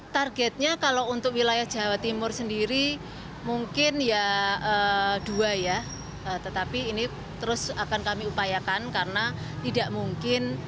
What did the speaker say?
targetnya kalau untuk wilayah jawa timur sendiri mungkin ya dua ya tetapi ini terus akan kami upayakan karena tidak mungkin